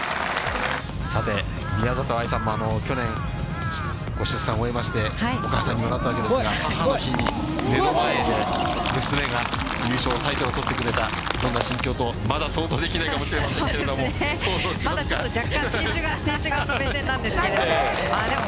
さて、宮里藍さんも去年、ご出産を終えまして、お母さんにもなったわけですが、母の日に目の前で娘が優勝、タイトルを取ってくれた、どんな心境と、まだ想像できないかもしれませんけれども。